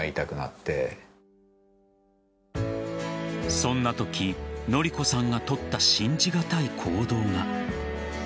そんなとき、典子さんが取った信じがたい行動が。